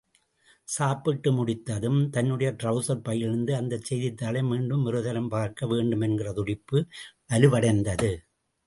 சாப்பிட்டு முடித்ததும், தன்னுடைய ட்ரவுசர் பையிலிருந்த அந்தச் செய்தித்தாளை மீண்டும் ஒரு தரம் பார்க்க வேண்டுமென்கிற துடிப்பு வலுவடைந்தது!